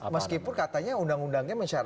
meskipun katanya undang undangnya